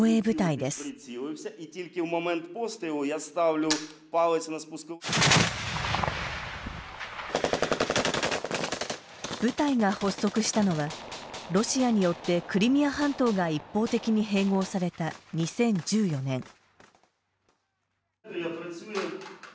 部隊が発足したのはロシアによってクリミア半島が一方的に併合された２０１４年。